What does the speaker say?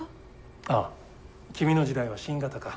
ああ君の時代は新型か。